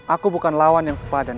aku bukan lawan yang sepadan